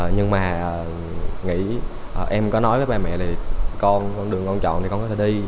nhưng mà em có nói với ba mẹ là con đường con chọn thì con có thể đi